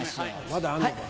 まだあんのか。